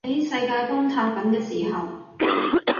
喺世界崩塌緊嘅時候